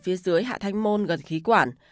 phía dưới hạ thanh môn gần khí quản